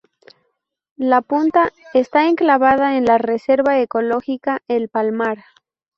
La "punta" está enclavada en la reserva ecológica El Palmar.